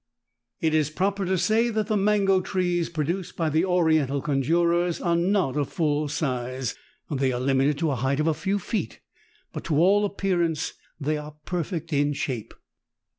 It is proper to say that the mango trees pro duced by the oriental conjurers are not of full size ; they are limited to a height of a few feet, but to all appearance they are perfect in shape.